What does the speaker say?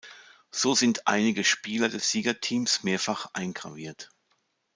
So sind einige Spieler des Siegerteams mehrfach eingraviert.